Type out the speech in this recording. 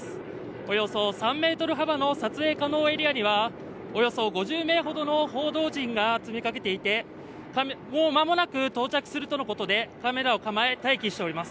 およそ３ｍ幅の撮影可能エリアにはおよそ５０名ほどの報道陣が詰めかけていてもう間もなく到着するとのことで、カメラを構え、待機しています。